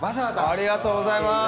ありがとうございます！